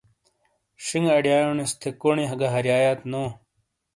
ݜینگے اڑیایونیس تھے، کونڈی گہ ہاریایات نو ۔